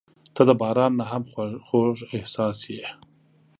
• ته د باران نه هم خوږه احساس یې.